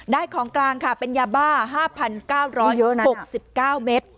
ของกลางค่ะเป็นยาบ้า๕๙๖๙เมตร